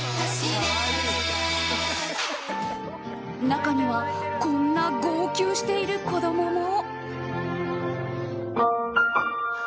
中にはこんな号泣している子供も。